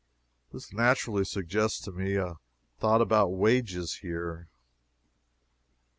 This naturally suggests to me a thought about wages here.